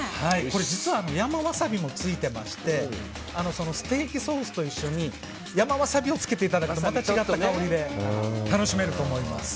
実は山ワサビもついていましてステーキソースと一緒に山ワサビを付けていただくとまた違った香りで楽しめると思います。